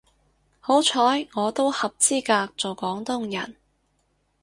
好彩我都合資格做廣東人